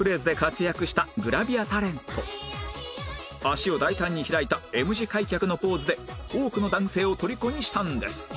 脚を大胆に開いた Ｍ 字開脚のポーズで多くの男性を虜にしたんです